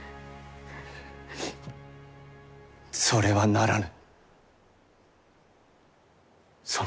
それはならぬ。